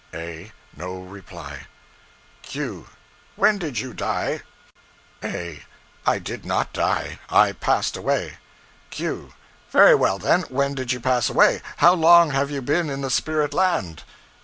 A. No reply. Q. When did you die? A. I did not die, I passed away. Q. Very well, then, when did you pass away? How long have you been in the spirit land?